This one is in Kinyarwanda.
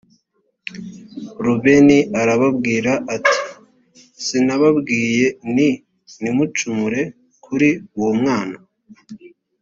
rubeni arababwira ati sinababwiye nti ntimucumure kuri uwo mwana